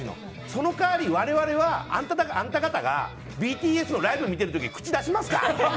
その代わり、我々はあんたがたがＢＴＳのライブ見てる時口出しますか？